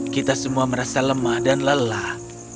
kita semua merasa lemah dan lelah